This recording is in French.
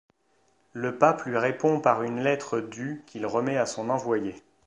Le pape lui répond par une lettre du qu’il remet à son envoyé.